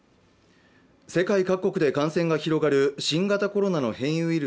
世界各国で感染が広がる新型コロナの変異ウイル